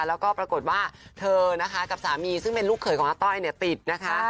แล้วก็ปรากฏว่าเธอนะคะกับสามีซึ่งเป็นลูกเขยของอาต้อยเนี่ยติดนะคะ